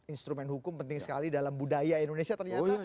instrumen hukum penting sekali dalam budaya indonesia ternyata